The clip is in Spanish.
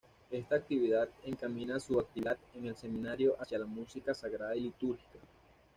Esta actividad encamina su actividad en el Seminario hacia la música sagrada y litúrgica.